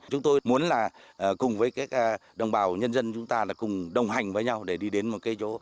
chúng tôi muốn là cùng với các đồng bào nhân dân chúng ta là cùng đồng hành với nhau để đi đến một cái chỗ